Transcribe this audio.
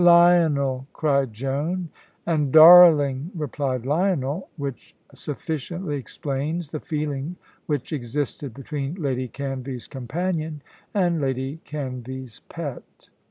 "Lionel!" cried Joan; and "Darling!" replied Lionel, which sufficiently explains the feeling which existed between Lady Canvey's companion and Lady Canvey's pet.